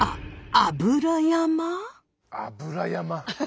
油山。